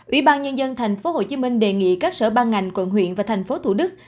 ủy ban nhân dân thành phố hồ chí minh đề nghị các sở ban ngành quận huyện và thành phố thủ đức